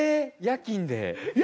夜勤で。